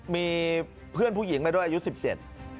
มีเพื่อนผู้หญิงไปด้วยอายุสิบเจ็ด